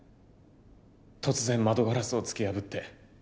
突然窓ガラスを突き破って。